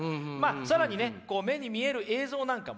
更にねこう目に見える映像なんかもね